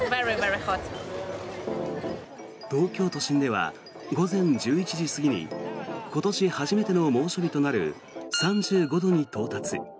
東京都心では午前１１時過ぎに今年初めての猛暑日となる３５度に到達。